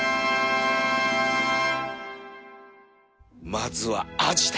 まずはアジだ